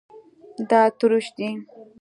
دا تروش دی